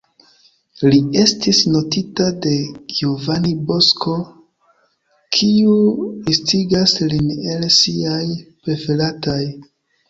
Li estis notita de Giovanni Bosco, kiu listigas lin el siaj preferataj.